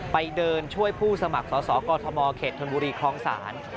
ไปเดินช่วยผู้สมัครสอสอกอทมเขตธนบุรีคลองศาล